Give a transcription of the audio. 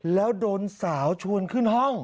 แล้วโดนสาวชวนขึ้นห้อง